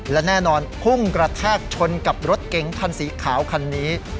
และแน่นอนพุ่งกระแทกชนกับรถเก๋งคันสีขาวคันนี้